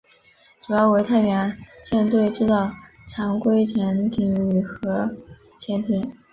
主要为太平洋舰队制造常规潜艇与核潜艇。